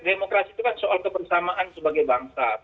demokrasi itu kan soal kebersamaan sebagai bangsa